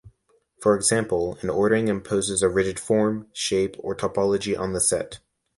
For example, an ordering imposes a rigid form, shape, or topology on the set.